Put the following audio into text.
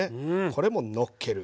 これものっける。